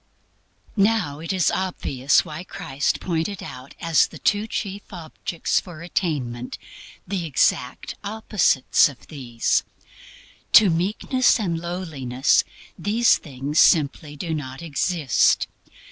Now it is obvious why Christ pointed out as the two chief objects for attainment the exact opposites of these. To meekness and lowliness these things simply do not exist.